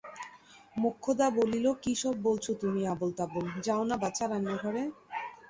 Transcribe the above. মোক্ষদা বলিল, কী সব বলছ তুমি আবোলতাবোল, যাও না বাছা রান্নাঘরে।